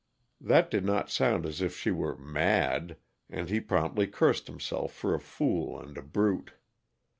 That did not sound as if she were "mad," and he promptly cursed himself for a fool and a brute.